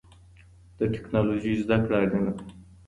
د ټکنالوژۍ زده کړه اړینه ده.